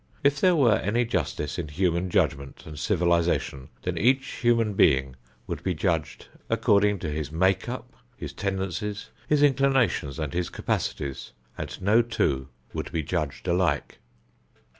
If there were any justice in human judgment and civilization, then each human being would be judged according to his make up, his tendencies, his inclinations and his capacities, and no two would be judged alike.